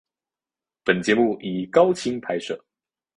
本节目以高清拍摄。